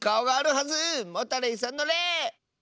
モタレイさんの「レ」！